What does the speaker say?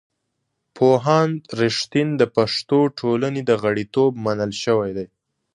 پوهاند رښتین د پښتو ټولنې په غړیتوب منل شوی دی.